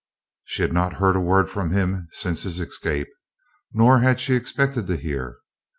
She had not heard a word from him since his escape; nor had she expected to hear.